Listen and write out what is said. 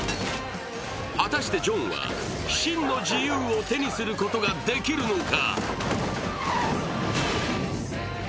果たして、ジョンは真の自由を手にすることができるのか？